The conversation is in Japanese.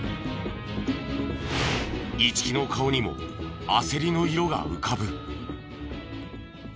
一木の顔にも焦りの色が浮かぶ。